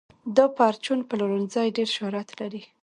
دا پرچون پلورنځی ډېر شهرت لري.